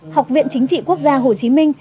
học viện chính trị quốc gia hồ chí minh